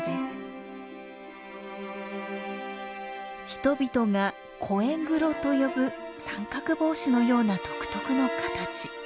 人々がコエグロと呼ぶ三角帽子のような独特の形。